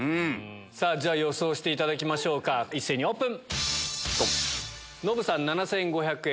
じゃ予想していただきましょうか一斉にオープン！